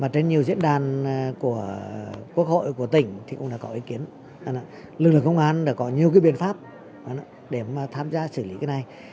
trên nhiều diễn đàn của quốc hội của tỉnh thì cũng đã có ý kiến lực lượng công an đã có nhiều biện pháp để mà tham gia xử lý cái này